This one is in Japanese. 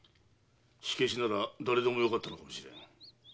火消しなら誰でもよかったのかもしれん。